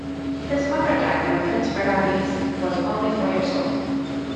His mother died when Prince Birabongse was only four years old.